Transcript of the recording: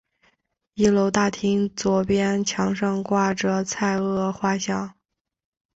一楼大厅左边墙上挂着蔡锷画像。